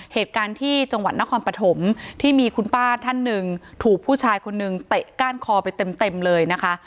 เหตุการณ์ที่จังหวัดนครปฐมที่มีคุณป้าท่านหนึ่งถูกผู้ชายคนนึงเตะก้านคอไปเต็มเลยนะคะ